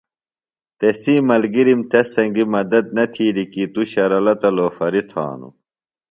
تسی ملگِرم تس سنگی مدت نہ تِھیلیۡ کی توۡ شرلہ تہ لوفری تھانوۡ۔